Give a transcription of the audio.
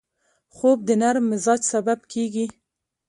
خوب د نرم مزاج سبب کېږي